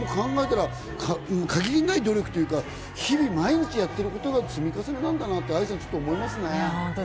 限りない努力というか、日々、毎日やってることの積み重ねなんだなって思いますね。